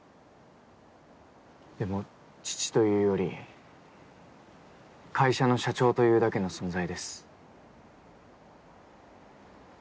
でも父というより会社の社長というだけの存在です。